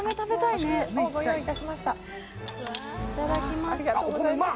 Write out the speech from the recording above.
いただきます